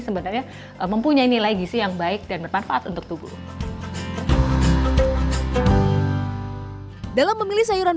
sebenarnya mempunyai nilai gisi yang baik dan bermanfaat untuk tubuh dalam memilih sayuran